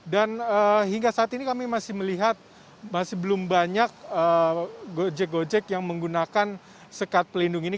dan hingga saat ini kami masih melihat masih belum banyak gojek gojek yang menggunakan sekat pelindung ini